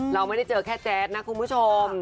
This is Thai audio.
เราไม่ได้เจอแค่แจ๊ดนะคุณผู้ชม